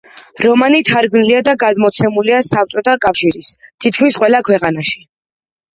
რომანი თარგმნილია და გამოცემულია საბჭოთა კავშირის თითქმის ყველა ქვეყანაში.